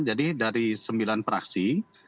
jadi dari sembilan praksi